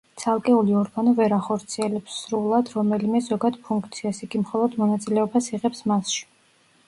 ცალკეული ორგანო ვერ ახორციელებს სრულად რომელიმე ზოგად ფუნქციას, იგი მხოლოდ მონაწილეობას იღებს მასში.